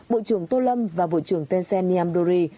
bộ trưởng tô lâm và bộ trưởng tencent niamdori